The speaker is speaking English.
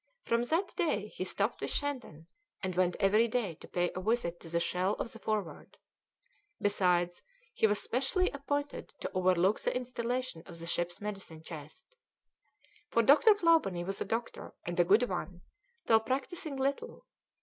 From that day he stopped with Shandon, and went every day to pay a visit to the shell of the Forward. Besides, he was specially appointed to overlook the installation of the ship's medicine chest. For Dr. Clawbonny was a doctor, and a good one, though practising little.